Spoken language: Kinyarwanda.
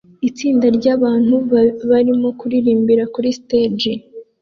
Itsinda ryabantu barimo kuririmbira kuri stage